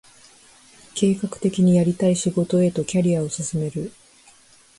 計画的にやりたい仕事へとキャリアを進める